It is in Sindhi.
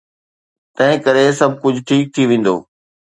تنهنڪري سڀ ڪجهه ٺيڪ ٿي ويندو.